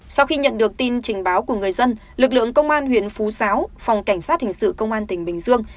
sau khi nhận được tin trình báo của người dân lực lượng công an huyện phú giáo phòng cảnh sát hình sự công an tỉnh bình dương